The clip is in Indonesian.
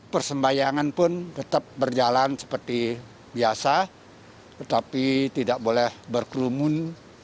persembayangan pun tetap berjalan seperti biasa tetapi tidak boleh berkerumun